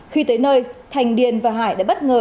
khi tới nơi thành điền và hải đã bất ngờ